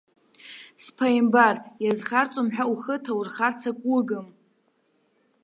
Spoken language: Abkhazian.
Сԥааимбар! Иазхарҵом ҳәа ухы ҭаурхарц ак уыгым!